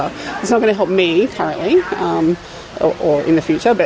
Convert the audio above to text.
itu tidak akan membantu saya sekarang atau di masa depan